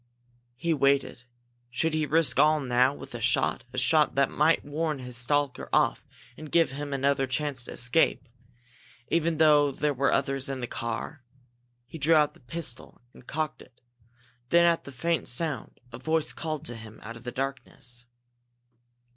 He waited. Should he risk all now, with a shot a shot that might warn this stalker off and give him another chance to escape, even though there were others in the car? He drew out the pistol, and cocked it. Then, at the faint sound, a voice called to him out of the darkness.